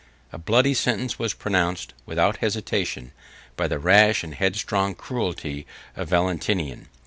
A bloody sentence was pronounced, without hesitation, by the rash and headstrong cruelty of Valentinian.